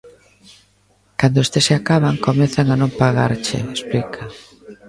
Cando estes se acaban comezan a non pagarche, explica.